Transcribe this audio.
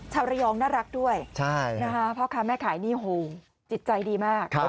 ชาวระยองน่ารักด้วยนะคะพ่อค้าแม่ขายนี่โหจิตใจดีมาก